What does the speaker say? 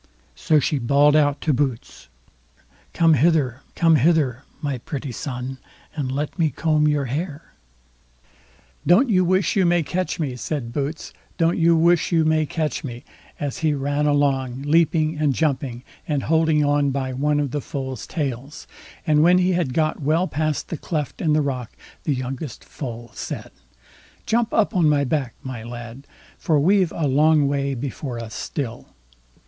So she bawled out to Boots: "Come hither, come hither, my pretty son, and let me comb your hair." "Don't you wish you may catch me", said Boots. "Don't you wish you may catch me", as he ran along, leaping and jumping, and holding on by one of the foal's tails. And when he had got well past the cleft in the rock, the youngest foal said: "Jump up on my back, my lad, for we've a long way before us still."